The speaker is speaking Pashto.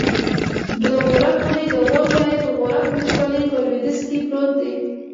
د غورک کلی د غور ولایت، غورک ولسوالي په لویدیځ کې پروت دی.